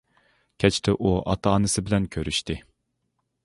كەچتە ئۇ ئاتا ئانىسى بىلەن كۆرۈشتى.